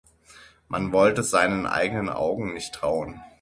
Man wollte seinen eigenen Augen nicht trauen.